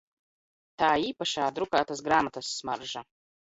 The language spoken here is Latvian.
Tā īpašā drukātas grāmatas smarža!